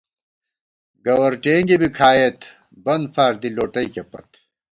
گوَرٹېنگی بی کھائیت، بن فار دی لوٹَئیکےپت